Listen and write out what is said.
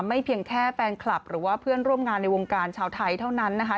เพียงแค่แฟนคลับหรือว่าเพื่อนร่วมงานในวงการชาวไทยเท่านั้นนะคะ